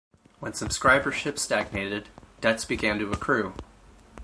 When subscribership stagnated, debts began to accrue.